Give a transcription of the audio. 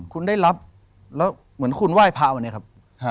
คุณได้รับเหมือนคุณไหว้พระเองนะครับ